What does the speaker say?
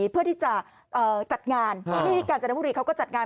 เพื่อที่จะจัดงานนี่การจัดงานดนตรีเขาก็จัดงาน